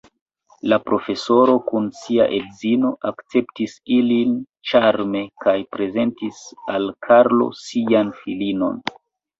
La profesoro kun sia edzino akceptis ilin ĉarme kaj prezentis al Karlo sian filinon.